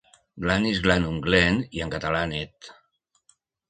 "Glanis, Glanum, Glen" i en català "net".